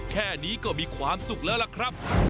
แค่นี้ก็มีความสุขแล้วล่ะครับ